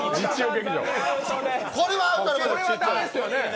これはアウトですよね。